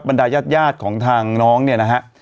บรรดายญาติยาติของทางน้องเนี่ยนะฮะ